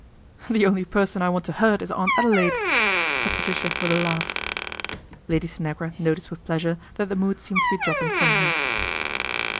" The only person I want to hurt is Aunt Adelaide," said Patricia with a laugh. Lady Tanagra noticed with pleasure that the mood seemed to be dropping from her.